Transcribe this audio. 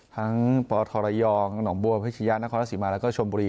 ทั้งปธรรยองหนองบัวพิชญานครสิมาแล้วก็ชมบุริ